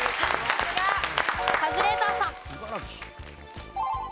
カズレーザーさん。